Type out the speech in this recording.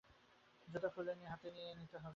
জুতো খুলে হাতে নিয়ে নিতে হবে।